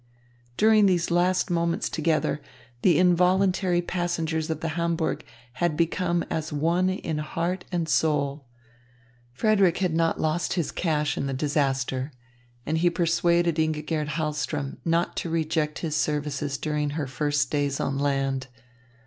During these last moments together, the involuntary passengers of the Hamburg had become as one in heart and soul. Frederick had not lost his cash in the disaster, and he persuaded Ingigerd Hahlström not to reject his services during her first days on land.